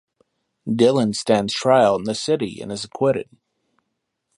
Dylan stands trial in the city and is acquitted.